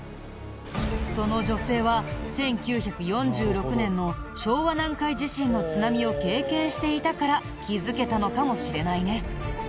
その女性は１９４６年の昭和南海地震の津波を経験していたから気づけたのかもしれないね。